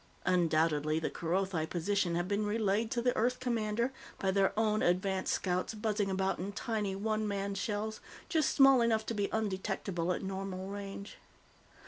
Undoubtedly, the Kerothi position had been relayed to the Earth commander by their own advance scouts buzzing about in tiny, one man shells just small enough to be undetectable at normal range.